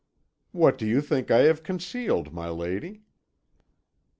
"What do you think I have concealed, my lady?"